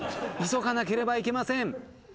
急がなければいけません。